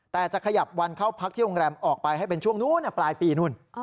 แต่จะขยับวันเข้าพักที่โรงแรมออกไปให้เป็นช่วงนู้นปลายปีนู่น